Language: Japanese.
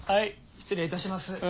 失礼いたします。